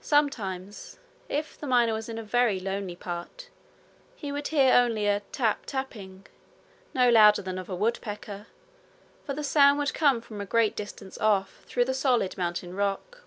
Sometimes, if the miner was in a very lonely part, he would hear only a tap tapping, no louder than that of a woodpecker, for the sound would come from a great distance off through the solid mountain rock.